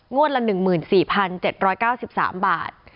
งวดละ๑๔๗๙๓บาท